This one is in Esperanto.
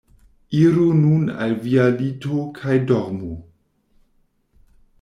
Iru nun al via lito kaj dormu.